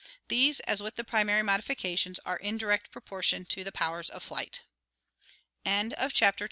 These, as with the primary modifications, are in direct proportion to the powers of flight. References Abel, O.